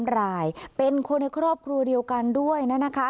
รายเป็นคนในครอบครัวเดียวกันด้วยนะคะ